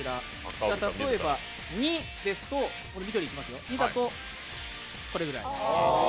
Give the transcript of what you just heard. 例えば２ですとこれぐらい。